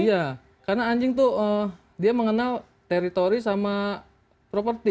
iya karena anjing itu dia mengenal teritori sama properti